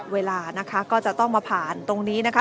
เวลานะคะก็จะต้องมาผ่านตรงนี้นะคะ